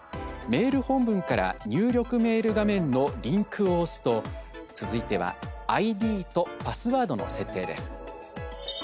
メール画面のリンクを押すと続いてはＩＤとパスワードの設定です。